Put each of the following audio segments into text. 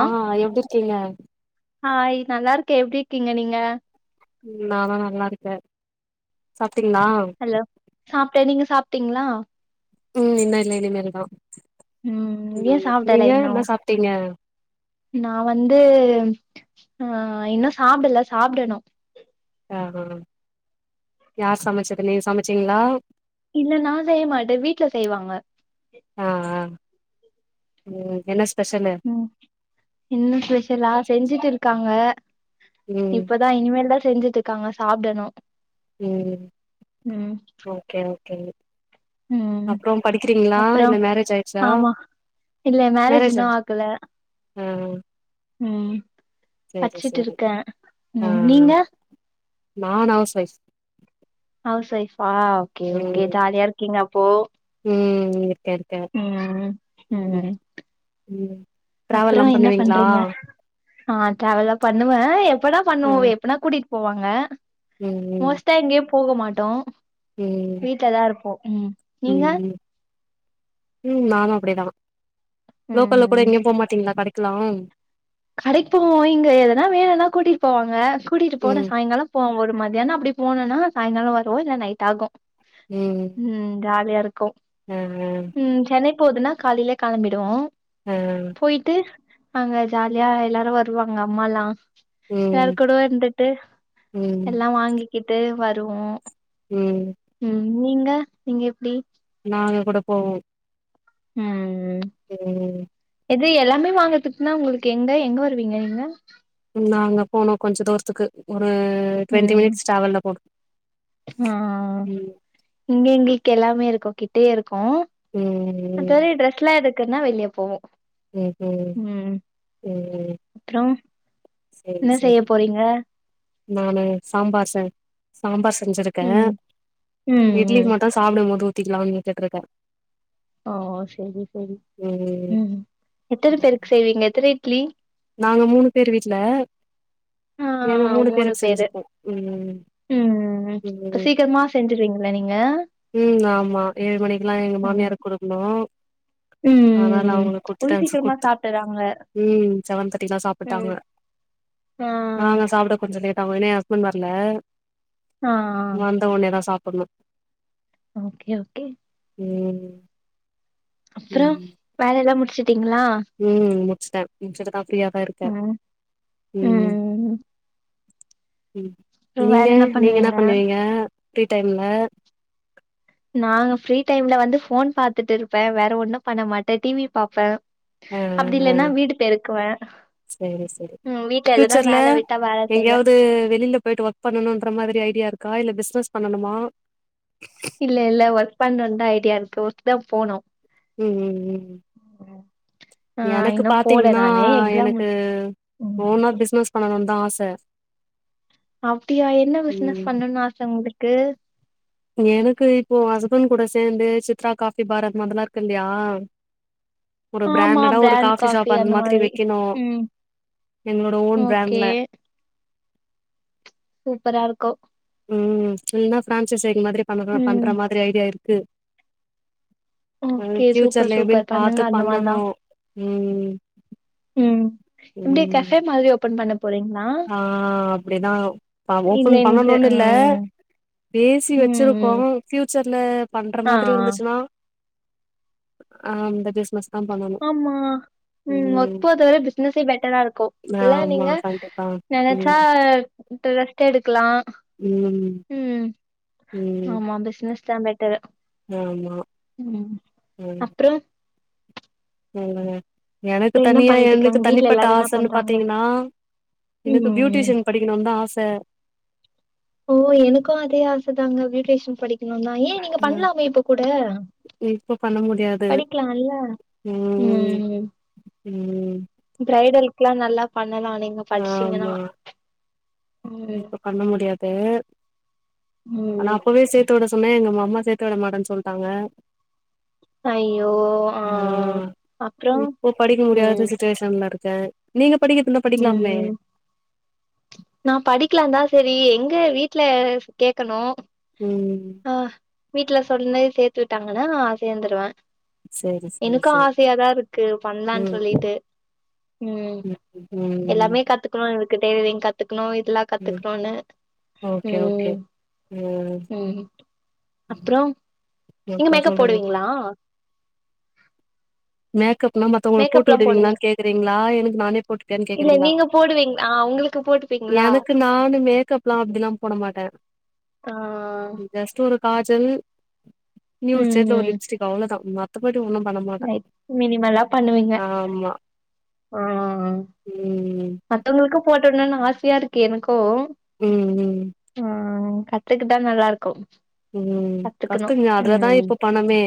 ஆ எப்டி இருக்கீங்க ஆய் நல்லா இருக்க எப்டி இர்க்கீங்க நீங்க ம் நாதா நல்லா இருக்க சாப்ட்டீங்ளா ஹலோ சாப்ட்ட நீங்க சாப்ட்டீங்ளா ம் இன்ன இல்ல இனிமேல் தா ஏ ம் சாப்டல நீங்க இன்னு என்ன சாப்ட்டீங்க நா வந்து ஆ இன்னு சாப்டல சாப்டணு ஆ ஹா யார் சமச்சது நீங் சமச்சீங்ளா இல்ல நா செய்ய மாட்ட வீட்ல செய்வாங்க ஆ ஆ ம் என்ன ஸ்பெஷலு ம் என்ன ஸ்பெஷலா செஞ்சிட் இருக்காங்க ம் இப்ப தா இனிமேல் தா செஞ்சிட்ருக்காங்க சாப்டணு ம் ம் ஓகே ஓகே ம் அப்றோம் படிக்கிறீங்ளா அப்றோ இல்ல மேரேஜ் ஆயிட்ச்சா ஆமா இல்ல மேரேஜ் இன்னு ஆகல ஆ ம் சேரி பச்சிட் சேரி இருக்கே ம் நீங்க நானா ஹவுஸ் ஓய்ஃப் ஹவுஸ் ஓய்பா ஓகே ஓகே ம் ஜாலியா இருக்கீங்க அப்போ ம் இருக்க ம் ம் ம் டிராவல்லா அப்புற என்ன பண்ணுவீங்களா பண்றீங்க ஆ டிரவல்லா பண்ணுவே எப்பனா பண்ணுவோ ம் எப்பனா கூட்டிட் போவாங்க ம் மோஸ்ட்டா எங்கியு போக மாட்டோ ம் வீட்லதா இருப்போ ம் ம் நீங்க ம் ம் நானு அப்டிதா லோக்கல்ல கூட ம் எங்கியு போ மாட்டீங்ளா கடைக்லா கடைக் போவோ இங்க எதுனா வேணுனா கூட்டிட் போவாங்க கூட்டிட் போன ம் சாயங்கால இப்போ ஒரு மதியானோ அப்டி போனனா சாயங்கால வரு இல்ல நைட் ஆகு ம் ம் ஜாலியா இருக்கு ம் ம் சென்னை போதுனா காலையிலே கெளம்பிடுவோ ம் போய்ட்டு அங்க ஜாலியா எல்லாரு வருவாங்க அம்மாலா ம் எல்லார்க் கூடவு இருந்துட்டு ம் எல்லா வாங்கிட் வாங்கிக்கிட்டு வருவோ ம் ம் நீங்க நீங்க எப்டி நாங்ககுட போவோ ம் ம் ம் இது எல்லாமே வாங்கர்த்துக்னா உங்குளுக்கு எங்க எங்க வருவிங்க நீங்க நாங்க போனோ கொஞ்சோ தூர்த்துக்கு ஒரு ட்வெண்ட்டி ம் மினிட்ஸ் ட்ராவல்ல போனு ஆ இங்க எங்கள்க்கு எல்லாமேருக்கோ கிட்டயேருக்கோ ம் ம் மத்தபடி ட்ரெஸ்லா எடுக்கன்னா வெளிய போவோ ம் ம் ம் அப்றோ சேரி என்ன சேரி செய்ய போறிங்க நானு சாம்பார் சென் சாம்பார் செஞ்சிருக்க ம் ம் இட்லி ம் மட்டோ ஸ் சாப்டமோது ஊத்திக்லாம்ன் நென்ச்சிட்ருக்கே ஓ ஓ செரி செரி செரி ம் ம் எத்தன பேருக்கு செய்வீங்க எத்தன இட்லி நாங்க மூணு பேர் வீட்ல ஆ எங்க மூணு பேருக் செஞ்சுப்போ ம் ம் ம் ம் இப்ப சீக்கரமா செஞ்சிருவிங்கள நீங்க ம் ஆமா ஏழு மணிக்குல்லா எங்க ம் மாமியாருக் குடுக்கணு அதனால ம் அவுங்ளுக்கு இவ்ளோ குட்த்துட்டே சீக்கிரமா குட்த்து சாப்ட்டுறாங்க ம் செவன் தேர்ட்டிக்ல்லா சாப்புட்டாங்க ம் ஆ நாங்க சாப்ட கொஞ்சோ லேட் ஆகும் எனா எ ஹஸ்பண்ட் வர்ல ஆ ஆ த ஒன்னே தா சாப்புட்ணு ஓக்கே ஓக்கே ம் அப்றோ ம் வேல எல்லா முடிச்சிட்டிங்ளா ம் முடிச்ட்ட முடிச்சுட்டுதா ஃப்ரியா தா இருக்க ம் ம் ம் ம் அப்புறம் வேற நீங்க என்ன நீங்க இன்னா பண்ணுவீங்க பண்ணுவிங்க ஃப்ரி டைம்ல நாங்க ஃப்ரீ டைம்ல வந்து ஃபோன் பாத்துட்டு இருப்பே வேற ஒன்னு பண்ண மாட்டே டி வி பாப்பே ஆ அப்டி ஆ இல்லன்னா வீடு பெருக்குவே சேரி சேரி ம் வீட்ல எதுனா பியூச்சர்ல வேல விட்டா வேல செய்வே எங்யாவ்து வெளில போய்ட்டு வாங் பண்ணனுன்ற மாதிரி ஐடியாருக்கா இல்ல பிஸ்னஸ் பண்ணனுமா இல்ல இல்ல ஒர்க் பண்றோந்தா ஐடியாருக்கு ஒர்க் தா போணு ம் ம் ம் ஆ எனக்கு இன்னு போல பாத்திங்ன்னா நானு எக்ஸாம் எனக்கு முடிச்சு ஓனா பிஸ்னஸ் பண்ணணோன் தா ஆச அப்டியா என்ன பிஸ்னஸ் ம் பண்ணோன் ஆச உங்ளுக்கு எனக்கு இப்போ ஹஸ்பண்ட் கூட சேந்து சித்ரா காஃபி பார் அந்மாதுர்ல்லார்க் இல்லயா ஒரு பிராண்டடா ஒரு காஃபி ஷாப் அந்த மாதிரி வெக்கணு ம் எங்ளோட ஓன் ஓகே பிராண்ட்ல சூப்பராருக்கோ ம் இல்னா ஃப்ரான்சசை மாதிரி பண்ணனு ம் பண்ற மாதிரி ஐடியா இருக்கு ம் ஓகே சூப்பர் ஃபியூச்சர்ல எப்டின் சூப்பர் பாத்து பண்ணுங்க அந்த மாரிதா பண்ணணோ ம் ம் எப்டி ம் கஃபே மாரி ஓபன் பண்ண போறீங்களா ஆ அப்படிதா ப இல்ல ஓப்பன் இது பண்ணணுன் இல்ல ம் பேசி ம் வச்சிருக்கோ ம் ஃபியூச்சர்ல பண்ற ஆ மாதிரி இருந்துச்சுன்னா ஆ இந்த பிஸ்னஸ் ஆமா ம் ஒர்க் போறத விட பிசினஸே பெட்டரா இருக்கு இல்ல ஆமா நீங்க கண்டிப்பா நெனச்சா ம் ட ரெஸ்ட் எடுக்கலா ம் ம் ம் ஆமா பிசினஸ் தா பெட்டரு ஆமா ம் ம் அப்றோ ம் எனக்கு என்ன தனியா எனக்கு பண்ணிட்ருக்காங்க வீட்ல தனிப்பட்ட எல்லாரு என்ன ஆசன்னு பண்றாங்க பாத்தீங்கன்னா எனக்கு ம் பியூட்டிசியன் படி க்கனுந்தா ஆச ஓ எனக்கு அதே ஆச தாங்க பியூட்டிஷன் படிக்கணுதா ஏ நீங்க ம் பண்லாமே இப்ப கூட இப்ப பண்ண முடியாது படிக்கலால்ல ம் ம் பிரைடலுக்குல்லா நல்லா பண்ணலா நீங்க படிச்சீங்கன்னா ஆமா ம் இப்ப பண்ண முடியாது ஆனா ம் அப்பவே சேத்துவிட அப்வுமே எங்க மம்மா சேத்து விட மாட்டன் சொல்ட்டாங்க ஐயோ ஆ ம் அப்றோ இப்ப படிக்க ம் முடியாத சி ட்டேஷன்ல இருக்க நீங்க படிக்கதுந்தா படிக்கலாமே ம் நா படிக்கலா தா செரி எங்க வீட்ல கேக்கணு ம் ஆ வீட்ல சொன்னு சேத்து விட்டாங்கன்னா சேந்துருவ சேரி ஸ் எனக்கு ஆசையாதா இருக்கு பண்லான் சொல்லிட்டு ம் எல்லாமே கத்துக்குணு இருக்கு டைலரிங் கத்துக்குணு இதல்லா ம் கத்துக்குணுன்னு ஓகே ஓகே ம் ம் ம் அப்றோ நீங்க அப்றோ மேக்கப் சொல்லுங்க போடுவீங்ளா மேக்கப்னா மத்தவங்களுக்கு மேக்கப் போட்டு எல்லா போடுவீங் விடுவீங்களான்னு கேக்குறீங்களா எனக்கு நானே போட்டுப்பேன்னு இல்ல கேக்குறீங்களா நீங்க போடுவீங் அ உங்களுக்கு போட்டு ப்பீங்ளா எனக்கு நானு மேக்கப்லா அப்டில்லா போட மாட்ட ஆ ஜஸ்ட்டு ஒரு காஜல் நியூ ம் ஜேட்ல ஒரு ம் லிப்ஸ்டிக் அவ்ளோதா மத்தபடி ஒன்னும் பண்ண மாட்ட மினிமெல்லா பண்ணுவீங்க ஆ ஆ ம் மத்தவுங்களுக்கு போட்டு விட்னோனு ஆசையா இருக்கு எனுக்கு ம் ம் அ கத் கத்துக்கு தா நல்லா இருக்கு ம் கத்துக்கணு கத்துங்க அதுலதா ம் இப்ப பணமே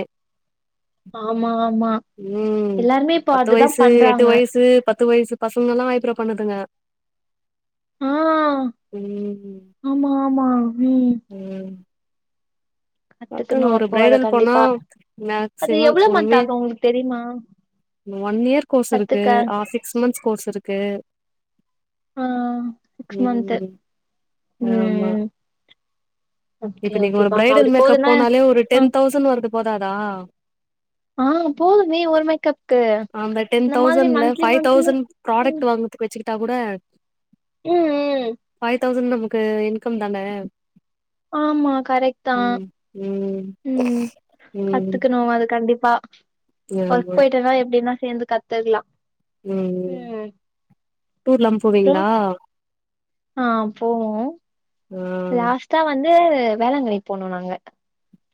ஆமா ஆமா ம் எல்லாருமே இப்போ பத்து அதுதா வயசு எட்டு பண்றாங்க வயசு பத்து வயசு பசங்கல்லா ஐப்ரோ பண்ணுதுங்க ஆ ம் ஆமா ஆமா ம் ம் பாத்துங்க கத்துக்கணு ஒரு அப்போ அத பிரைடல் போனா கண்டிப்பா அது மேக்சிமம் எவ்ளோ ஒரு மந்த்து மீ ஆகு உங்களுக்கு தெரியுமா ஒன் இயர் கோர்ஸ் இருக்கு கத்துக்க ஆ சிக்ஸ் மந்த்ஸ் கோர்ஸ் இருக்கு ஆ சிக்ஸ் மந்த்து ம் ஆமா ம் ஓகே இப்ப நீங்க ஒரு ஓகேப்பா பிரைடல் அப்டி மேக்கப் போதுன்னா போனாலே ஒரு ஆ டென் தௌசண்ட் வருது போதாதா ஆ போதுமே ஒரு மேக்கப் அந்த டென் தௌசண்ட்ல ஃபைவ் மந்த்லி தௌசண் ம் ப்ராடக்ட் வாங்க துக்கு வச்சுக்கிட்டா கூட ம் ஃபைவ் தௌசண்ட் நமக்கு இன்கம் தான ஆமா கரெக்ட்தா ம் ம் ம் ம் கத்துக்கணு அது கண்டிப்பா ஒர்க் ஆமா போயிட்டேனா எப்டினா சேந்து கத்துகலா ம் டூர்லா அப்றோ போவிங்களா ஆ போவோ ஆ லாஷ்ட்டா வந்து வேளாங்கண்ணி போனோ நாங்க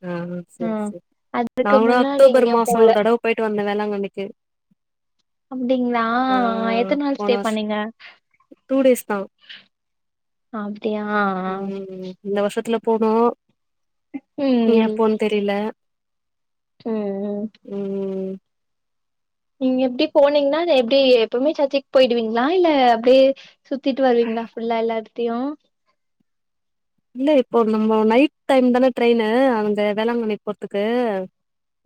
ஆ சேரி ம் சேரி நா அதுக்கு கூட முன்னாடி அக்டோபர் எங்கயு மாசோ போல ஒரு தடவ போய்ட்டு வந்தே வேளாங்கண்ணிக்கி அப்டிங்ளா எத்தன் நாள் போன ஸ்டே வருஷோ பண்ணீங்க டூ டேஸ் தா அப்டியா ம் இந்த வருஷத்துல போனு ம் இனி எப்போனு தெரில ம் ம் ம் நீங்க எப்டி போனீங்னா எப்டி எப்பவுமே சர்ச்சுகு போய்டுவீங்ளா இல்ல அப்டியே சுத்திட்டு வருவீங்ளா ஃபுல்லா எல்லா எடத்தையு இல்ல இப்போ நம்மோ நைட் டைம் தான ட்ரெய்னு அங்க வேளாங்கண்ணி போர்துகு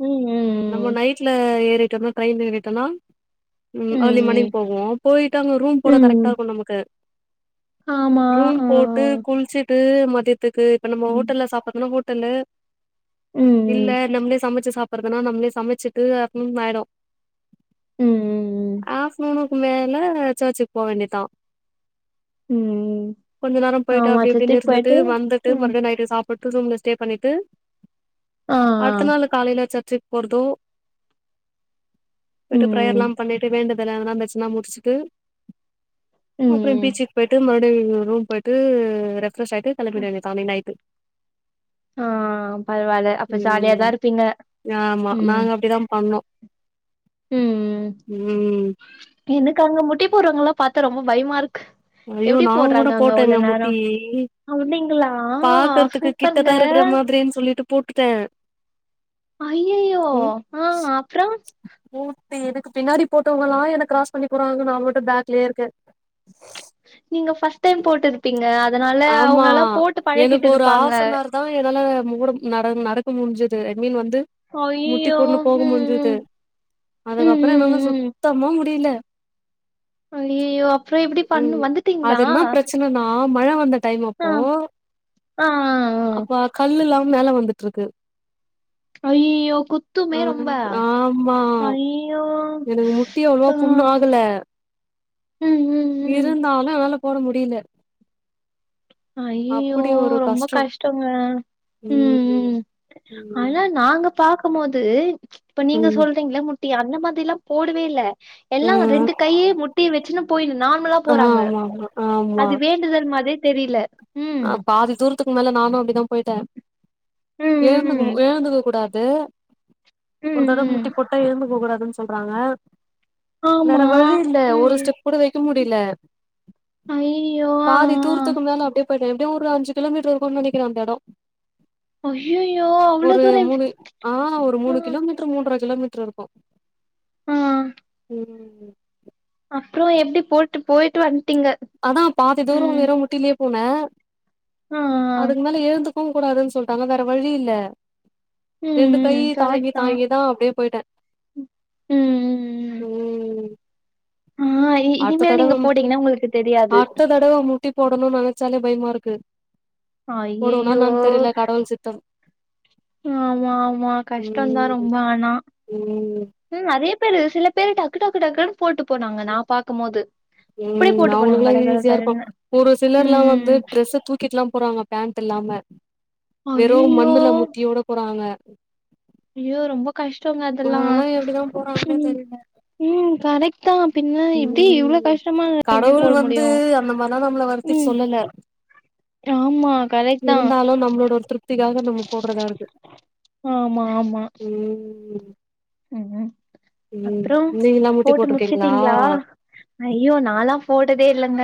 ம் நம்ம ம் நைட்ல ஏறிட்டோம்னா ட்ரெயின் ஏறிட்டோனா ம் அர்லி மார்னிங் போவோ போயிட்டு அங்க ரூம் போட ம் கரெக்டா ம் இருக்கு நமக்கு ஆமா ரூம் ஆ போட்டு குள்சிட்டு மதியதுக்கு இப்ப நம்ம ம் ஹோட்டல்ல சாப்புட்றதுனா ஹோட்டல்லு ம் இல்ல நம்ளே சமைச்சி சாப்றதுனா நம்மளே சமைச்சிட்டு ஆஃப்டனு ஆயிடு ம் ம் ஆஃப்னூணு மேல சர்ச்சுக் போ வேண்டியதா ம் ம் கொஞ்ச நேரோ போயிட்டு ஆமா அப்டி பிடினு சித்திக்கு இருந்துட்டு போயிட்டு வந்துட்டு ம் மறுபடியு நைட்டு சாப்புட்டு ரூம்ல ஸ்டே பண்ணிட்டு ஆ ஆ அடுத்த நாளு காலேல சர்ச்சுக்கு போர்தோ போயிட்டு ம் ப்ரேயர்லா பண்ணிட்டு வேண்டதல் எதனா இருந்துச்சுனா முடிஸ்ட்டு அப்டியே ம் பீச்சுக்கு போயிட்டு மறுபடியு ரூம் போயிட்டு ரெஃப் ஃபிரெஸ் ஆயிட்டு கெளம்பிட வேண்டியதுதா அன்னைக்கு நைட்டு ஆ பரவால அப்ப ஜாலியாதா இருப்பீங்க ம் இதா பண்ணோ ம் ம் ம் எனக்கு அங்க முட்டி போர்ரவங்கலா பாத்தா ரொம்ப பயமா ருக்கு அய் யோ நா கூட போட்டேங்க முட்டி அப்டிங்களா பாக்குறதுக்கு சூப்பருங்க கிட்டதா இருக்கற மாதிரின்னு சொல்லிட்டு போட்டுட்டே அய்யய்யோ ம் ஆ அப்றோ போட்டு எனக்கு பின்னாடி போட்டவங்களா என்ன கிராஸ் பண்ணி போறாங்க நாமட்டு பேக்லயே இருக்கே ஹ [inaudible] ங்க ஃபஸ்ட்டு டைம் போட்டு இருப்பீங்க அதனால ஆமா அவுங்க ல்லா போட்டு எனக்கு பழகிட்டு ஒரு இருப்பாங்க ஹாஃப்னவர் தா என்னால மோடம் நட நடக்க முஞ்சுது ரெட் மில் வந்து முட்டி ஐயையோ போட்னு போக ம் முடிஞ்சுது ம் ம் அதுகப்றோ இவுங்க ம் ம் சுத்தமா முடில அய்யய்யோ அப்ற எப்டி பண்ணு வந்துடீங்ளா தென்னனா மழ வந்த டைம் அப்போ ஆ ஆ ஆ அப்பா கல்லுலா மேல வந்துட்ருக்கு அய்யய்யோ குத்துமே ஆ ரொம்ப ஆமா அய்யய்யோ ட்டி அவ்ளோவ புண்ணு ஆகல ம் ம் ம் இருந்தாலு எனால போட முடில அய்யய்யோ அப்படி ஒரு ரொம்ப கஷ்டோ கஷ்டங்க ம் ம் ஆனா ம் நாங்கப் பாக்கு போது இப்ப நீங்க ம் சொல்றீங்ள முட்டி அந்த மாதிரில்லா போடவே இல்ல எல்லா ம் ரெண்டு கையே முட்டி வச்சுன்னு போயினு நார்மலா ஆ போறாங்க ஆமா ஆமா அது வேண்டுதல் மாரி தெரில அ பாதி தூர் த்துக்கு மொதல்ல நானு அப்டிதா போய்ட்ட ம் எழுந்து ம் எழுந்துக கூடாது ஒரு ம் தடவ ம் முட்டி போட்டா எழுந்துக கூடாதுன் சொல்றாங்க வேற ஆமா வழி இல்ல ஒரு ம் ஸ்டெப் கூட வைக்க முடில ஐயோ ஆ பாதி தூர்த்துக்கு மேல அப்டியே போய்ட்ட எப்டியு ஒரு அஞ்சு கிலோமீட்டர் இருக்குன் நெனைக்கிற அந்த இட ஐயோ அவ்வளோ ஒரு தூரம் எப்படி- மூணு ஆ ஒரு ஆ மூணு கிலோமீட் ட்ரு மூன்ற கிலோமீட்டர் இருக்கு ஆ ம் அப்ற எப்டி போட்டு போய்ட்டு வந்ட்டீங்க அதா பாதி தூர வெரு முட்டிலயே போன ஆ அதுக்கு மேல எழுந்துக் துங் கூடாதுன் சொல்ட்டாங்க வேற வழி இல்ல ம், ரெண்டு கை ம். தாங்கி கரெக்ட் தான். தாங்கிதா அப்டியே போய்ட்ட ம், ம், ம் ம் அடுத்த இனிமேல் நீங்க போட்டீங்கன்னா உங்களுக்கு தெரியாது இப்பவு முட்டி போடணுனு நெனைச்சாலே பயமா இருக்கு போடுவனா ஐய்யய்யோ! என்னான் தெரியல கடவுள் சித்த ஆமா ஆமா கஷ்ட தா ம் ரொம்ப ஆனா ம் து நெறைய பேரு சில பேரு டக்கு டக்கு டக்குன் போட்டு போனாங்க நா பாக்குபோது உம் அவங்களுக்குல்லா ஈஸியா இருக்கு ஒரு சிலர்ல்லா வந்து ம். ட்ரெஸ்ஸ தூக் க்கிட்லா போறாங்க பேண்ட் இல்லாம வெறு ஐய்யய்யோ! மண்ணுல முட்டியோட போறாங்க ஐயோ ரொம்ப கஷ்டங்க அதெல்லா எப்டிதா போறாங்கன்னே ம் தெரி ம் கரெக்ட் தான் பின்ன எப்படி இவ்ளோ ம் கஷ்டமா எப்படி கடவுள் போட வந்து முடியும்? அந்த மாரிலா நம்மள வருத்தி ம். சொல்லல ஆமா கரெக்ட் தான். இருந்தாலு நம்மளோட ஒரு திருப்திக்காக நம்ம போட்றதா இருக்கு ஆமா ஆமா ம் ம் ம் ம் அப்ற நீங்கல்லா முட்டி போட்டு போட்ருக்கீங்களா முடிச்சுட்டீங்ளா ஐயோ நாலாம் போட்டதே இல்லங்க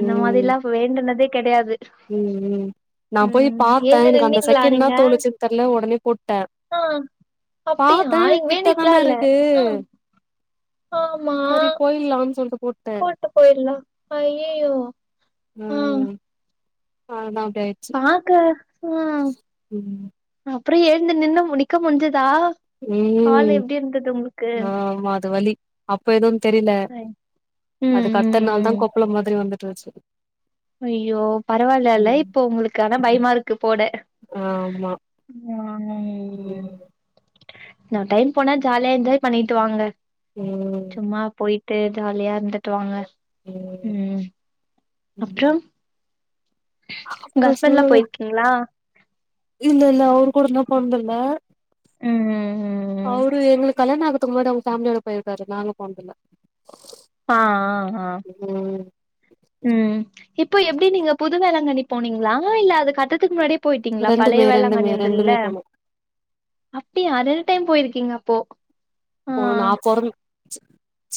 அந்த மாதிரில்லா வேண்டுனதே கெடையாது ம் ம் நா போய் ம் பாத்த ஏந்து எனக்கு அந்த நின்னீங்களா செகண்ட் இன்னா நீங்க தோணுச்சுன் தெர்ல உடனே போட்ட ஆ அப்டியா இங்க வேண்டிட்லா இல்ல ம் ஆமா சரி போய்லான் சொல்ட்டு போட்டே போட்டு போய்ருலா அய்யய்யோ ம் ஆனா அப்டி ஆய்ச்சு ஆக்கா ம் அப்பற எழுந்து நின்னு முடிக்க முடிஞ்சுதா ம் ஆமா அது வலி அப்ப எதுவு தெரில ம் அதுக்கு ம் அடுத்த நாள் தா ம் கொப்பளம் மாரி வந்துட்டு இருந்ச்சு ஐய்யோ பரவாயில்லல இப்போ உங்களுக்கு ஆனா ம் பயமா இருக்கு போட ஆமா ம் நா டைம் போனா ஜாலியா என்ஜாய் பண்ணிட்டு வாங்க ம் ம்மா போயிட்டு ஜாலியா இருந்துட்டு வாங்க ம் அப்றம் உங்க அப்றோ ஹஸ்பெண்ட்லா சொல்லுங்க போயிருக்கீங்களா இல்ல இல்ல அவரு கூட நா போனது இல்ல ம் ம் ம் அவரு எங்களுக்கு கல்யாண ஆகுரத்துக்கு முன்னாடி அவுங்க ஃபேமிலியோட போயிருக்காரு நாங்க போனதில்ல ஆ ஆ ஆ ம் ம் இப்ப எப்டி நீங்க புது வேளாங்கண்ணி போனீங்களா இல்ல அதுக் அடு துக்கு முன்னாடி போயிட்டீங்களா பழைய ரெண்டுமே ரெண்டுமே வேளாங்கண்ணி இருந்துதுல்ல ரெண்டுமே போனோ அப்டியா ரெண்டு டைம் போயிருக்கீங்க அப்போ ஆ போ நா பொறந் சி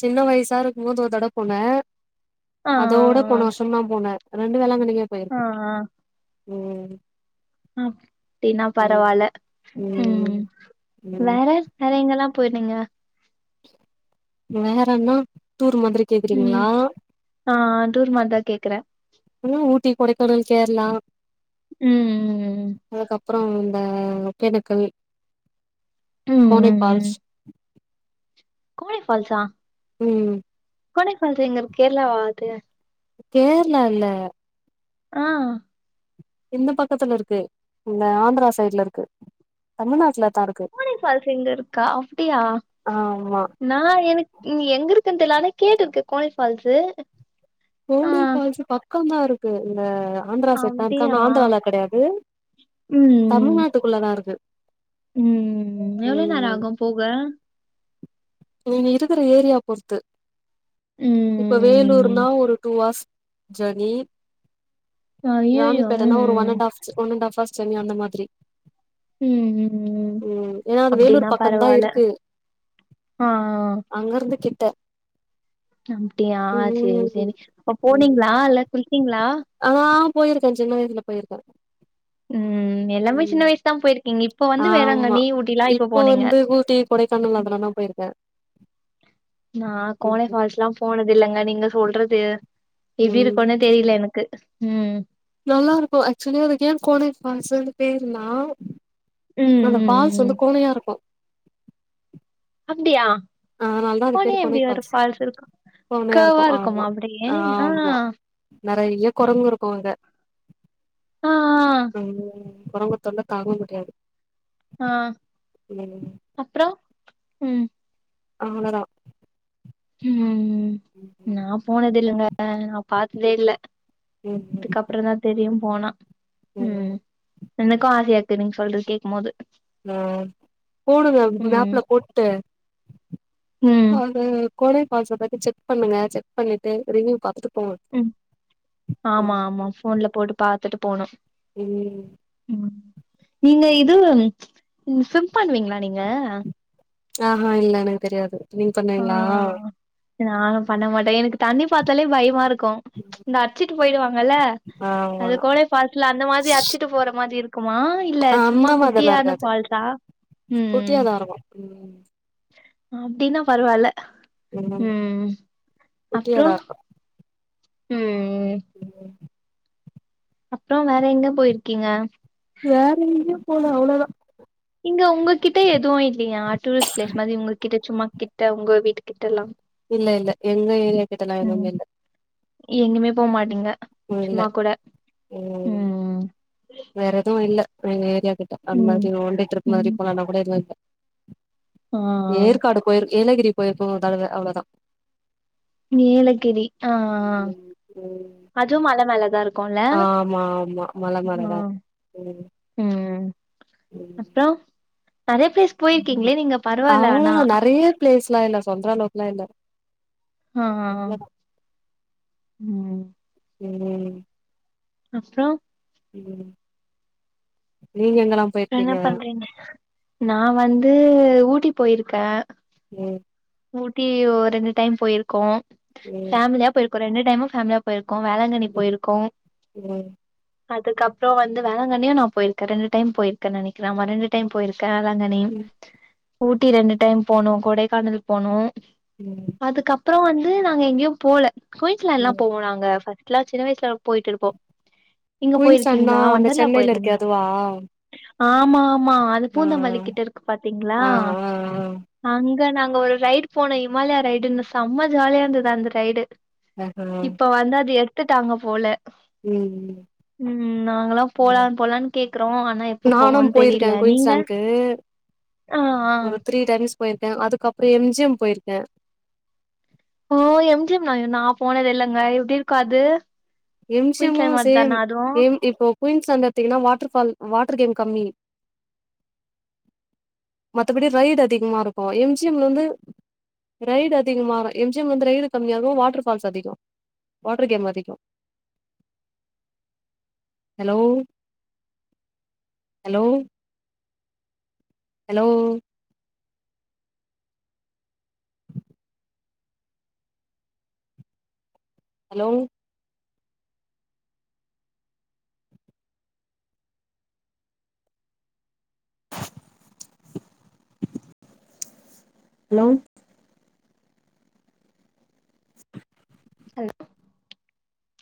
சின்ன வயசா இருக்கும் போது ஒரு தடவ போனே ஆ ஆ அதோட போன வருஷம் தா போனே ரெண்டு வேளாங்கண்ணிக்கே ஆ போயிருக்கோ ம் ம் அப்டின்னா ம் பரவால ம் ம் வேற வேற எங்கெல்லா போயிருந்தீங்க வேறனா டூர் மாதிரி ம் கேக்குறீங்களா ஆ ஆ டூர் மாதிரி தா கேக்றே ம் ஊட்டி கொடைக்கானல் கேரளா ம் ம் ம் அதுக்கப்றோ இந்த ஒகெனக்கல் ம் ம் கோனே ஃபால்ஸ் கோனே ஃபால்ஸா ம் கோனே ஃபால்ஸ் எங்க இருக்கு கேரளா வா அது கேர்ளா இல்ல ஆ இந்த பக்கத்துல இருக்கு இந்த ஆந்திரா சைட்ல இருக்கு தமிழ்நாட்டுல தா இருக்கு னே ஃபால்ஸ் இங்க இருக்கா அப்டியா ஆமா நா எனக்கு நீ எங்க இருக்க தெர்ல ஆன கேட்டு இருக்கே கோனே ஃபால்ஸு ஆ கோனே ஃபால்ஸ் பக்கந்தா இருக்கு இந்த ஆந்திரா சைட் தா இருக்கு அப்டியா ஆனா ஆந்திரால கெடயாது ம் தமிழ்நாட்டுக்குள்ள தா இருக்கு ம் எவ்ளோ நேர ம் ஆகு போக நீங்க இருக்குற ஏரியா பொறுத்து ம் இப்ப வேலூர்னா ஒரு டூ ஆர்ஸ் ஜர்னி அய்யய்யோ ராணிப்பேட்டனா ம் ஒரு ஒ and half and of us ஜர்னிஅந்த மாதிரி ம் ம் ம் ஏனா அது அப்டின்னா வேலூர் பக்கங்தா இருக்கு ஆ ஆ ஆ அங்க இருந்து கிட்ட அப்டியா சேரி ம் சேரி அப்ப போனீங்களா இல்ல போய்ட்டீங்களா ஆ போயி இருக்கே சின்ன வயசுல போயி இருக்கே ம் எல்லாமே சின்ன வயசுதா போயிருக்கீங்க இப்ப வந்து ஆமா வேளாங்கண்ணி ஊட்டி லா இப்ப போனீங்க வந்து ஊட்டி கொடைக்கானல் அதலா தா போயிருக்கே நா ம் கோனே ஃபால்ஸ்லா போனது இல்லங்க நீங்க சொல்றது எப்டி ம் இருக்குனே தெரில எனக்கு ம் நல்லா இருக்கு அக்சுவலி அதுக்கு ஏன் கோனை பால்ஸ்ன்னு பேர் னா ம் அந்த ம் பால்ஸ் ம் வந்து கொன்னையா இருக்கும் அப்படியா அதனால தா அது பேரு கோனேயா எப்படி கோனை ஒரு ஃபால்ஸ் இருக்கும் கோனையா இருக்கு கர்வ்வா இருக்குமா அப்படியே ஆ நெறய கொரங்கு இருக்கு அங்க ஆ ஆ உம் கொரங்கு தொல்ல தாங்க முடியாது ஆ ம் அப்புற உம் அவளோதா ம் ம் நா போனது தில்லங்க பாத்ததே இல்ல ம் அதுக்கப்பற தா தெரியும் போனா உம் ம் என்னக்கு ஆசையா இருக்கு நீங்க சொல்றது கேக் போது ஆ போடுங்க ம் மேப்ல போட்டு ம் அது கோடை பால்ஸ் பத்தி செக் பண்ணுங்க செக் பண்ணிட்டு ரிவ்யூ பாத்துட் ம் ஆமா ஆமா போன்ல போட்டு பாத்துட்டு போனு உம் ம் நீங்க இது சிம் பண்ணுவீங்களா நீங்க ஆ ஆ இல்ல எனக்கு தெரியாது நீங்க பண்விங்களா ஆ நானு பண்ண மாட்டே எனக்கு நா நாளா பண்ண மாட்டே எனக்கு தண்ணி பாத்தாலே பயமா இருக்கும் இந்த அடிச்சிட்டு போயிடுவாங்கல்ல ஆமா அது கோடை ஃபால்ஸ்ல அந்த மாதிரி அச்சிட்டு போற மாதிரி இருக்குமா இல்ல சும்மா அந்த மாதிரிலா குட்டியானா இருக்காது ஃபால்ஸ் சா குட்டியாதா இருக்கு உம் அப்படின்னா பரவல ம் உம் குட்டியாதா அப்புறம் இருக்கு ம் ம் அப்புறம் வேற எங்க போயிருக்கீங்க வேற எங்கயோ போல அவ்வளோதா இங்க உங்ககிட்ட எதுவும் இல்லையா டூரிஸ்ட் பிளேஸ் மாதிரி உங்ககிட்ட சும்மா கிட்ட உங்க வீட்டு கிட்ட எல்லா இல்ல இல்ல எங்க ஏரியாகிட்ட நா எதுமேயில்ல எங்கயுமே போக மாட்டீங்க இல்ல சும்மா கூட ம் உம் வேற எதுவும் இல்ல ஏரியா கிட்ட அந்த ம் மாறி ஒன் டே ட்ரிப் மாதிரி ம் போன் நானா கூட எதுவும் இல்ல ஆ ஏற்காடு போய்ரு ஏலகிரி போய்ருக்கு ஒரு தடவ அவ்வளவுதா நீலகிரி ஆ ம் அதுவும் மலமேல தா இருக்கு ஆ ஆமா ஆமா மல மேல தா இருக்கும் உம் உம் அப்புறம் நிறைய பிளேஸ் போயிருக்கீங்களே நீங்க பரவல ஆனா பிளேஸ் எல்லா இல்ல சொல்ற அளவுக்குலா இல்ல ஆ அ அவ்ளோதா உம் உம் அப்புறம் உம் நீங்க எங்களா என்ன பண்றேங்க நா வந்து ஊட்டி போயிருக்க ம் ஊட்டி ஓர் ரெண்டு டைம் போயிருக்கோம் ம் ஃபேமிலியா போயிருக்கோம் ரெண்டு டைம் ஃபேமிலியா போயிருக்கோம் வேளாங்கண்ணி போயிருக்கோம் ம் அதுக்கப்புறம் வந்து வேளாங்கண்ணியே நா போயிருக்கே ரெண்டு டைம் போயிருக்கே நினைக்கிற ஆமா ரெண்டு டைம் போயிருக் க வேளாங்கண்ணி ம் ஊட்டி ரெண்டு டைம் போனோ கொடைக்கானல் போனோ உம் அதுக்கப்புறம் வந்து நாங்க எங்கேயும் போல குயின்ஸ்லேண்ட் எல்லா ம் போவோம் நாங்க சின்ன வயசுல போயிட்டு இருப்போம் இங்க போயிருக்கீங்களா வண்டர்லா போயிருந்தீங்களா வாவ் ஆமா ஆமா அது பூந்தமல்லிக்கிட்ட இருக்கு பாத்தீங்களா ஆ ஆ ஆ அங்க நாங்க ஒரு ரைடு போனோம் இஹமாலயா ரைடுன்னு செம்ம ஜாலியா இருந்தது அந்த ரைடு ஆஹா இப்ப வந்து அது எடுத்துட்டாங்க போல ம் ம் உம் நாங்கல்லா போலா ம் போலான்னு கேக்குறோம் ஆனா எப்ப நானும் போவோன் போயிருக்கே தெரில நீங்க குயின்ஸான்க்கு ஆ ஆ ஒருத் த்ரீ டைம்ஸ் போயிருக்கே அதுக்கப்புறம் எம்ஜிஎம் போயிருக்க ஓ எம்ஜிஎம் நா போனது இல்லங்க எப்படி இருக்கும் அது குயின்ஸ்லேண்ட் எம்ஷமும் மாரி சேம் தானா அதுவு எம் இப்போ குயின்ஸ்லேண்ட் அந்துடுத்தீங்கன்னா வாட்டர் ஃபால் வாட்டரு கேம் கம்மி மத்தபடி ரைடு அதிகமா இருக்கும் எம்ஜிஎம் வந்து ரைடு அதிகமா எம்ஜி எம் வந்து ரைடு கம்மியாகு வாட்டர்ஃபால்ஸ் அதிகம் வாட்டரு கேம் அதிகம் hello hello hello hello hello hello